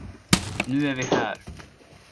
Nu är vi här.